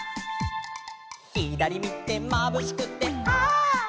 「ひだりみてまぶしくてはっ」